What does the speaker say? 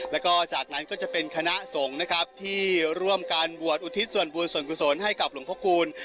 แล้วก็จากนั้นก็จะเป็นคณะสงฆ์นะครับที่ร่วมการบวชอุทิศส่วนบุญส่วนกุศลให้กับหลวงพระคูณ